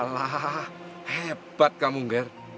walah hebat kamu ger